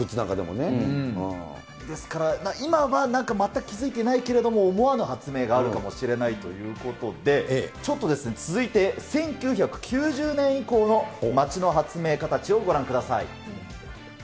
ですから、今はなんか全く気付いてないけれども、思わぬ発明があるかもしれないということで、ちょっと続いて１９９０年以降の町の発明家たちをご覧ください。